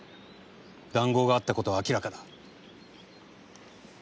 談合があったことは明らかだ。